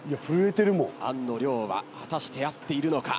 あんの量は果たして合っているのか？